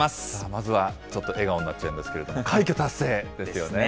まずはちょっと笑顔になっちゃうんですけれども、快挙達成でですよね。